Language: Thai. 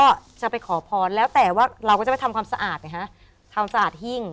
แล้วพอแหละแล้วแต่ท่านก็จะไปถามความสะอาด